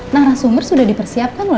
narasumber sudah dipersiapkan loh